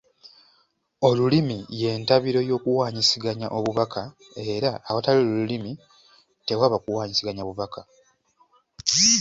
Olulimi y’entabiro y’okuwaanyisiganya obubaka era awatali lulimi tewaba kuwaanyisiganya bubaka.